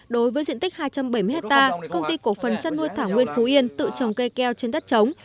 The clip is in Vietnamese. đối với diện tích hai trăm bảy mươi hectare công ty cổ phần chăn nuôi thảo nguyên phú yên tự trồng cây keo trên đất trống